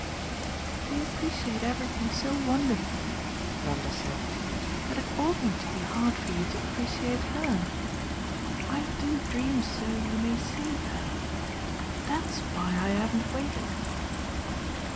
"You appreciate everything so wonderfully," Nanda said, "that it oughtn't to be hard for you to appreciate HER. I do dream so you may save her. That's why I haven't waited."